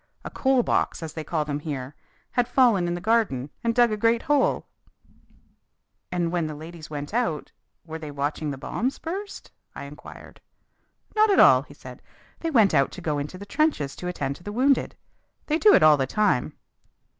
A 'coal box,' as they call them here, had fallen in the garden and dug a great hole!" "And when the young ladies went out, were they watching the bombs burst?" I inquired. "Not at all," he said. "They went out to go into the trenches to attend to the wounded. They do it all the time."